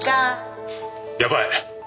やばい。